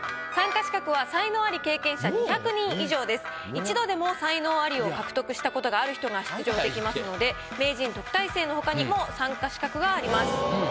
１度でも才能アリを獲得したことがある人が出場できますので名人特待生の他にも参加資格があります。